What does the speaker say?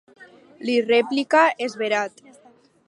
Li replica esverat.